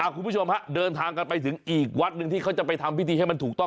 คุณผู้ชมฮะเดินทางกันไปถึงอีกวัดหนึ่งที่เขาจะไปทำพิธีให้มันถูกต้อง